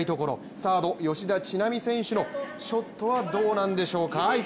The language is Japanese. サード・吉田知那美選手のショットはどうなんでしょうか。